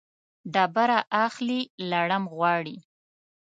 ډبره اخلي ، لړم غواړي.